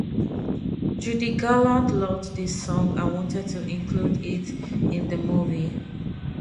Judy Garland loved the song and wanted to include it in the movie.